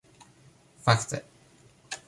Fakte...